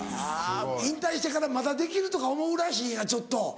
引退してから「まだできる」とか思うらしいなちょっと。